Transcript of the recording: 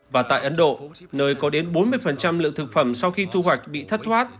và tại ấn độ nơi có đến bốn mươi lượng thực phẩm sau khi thu hoạch bị thất thoát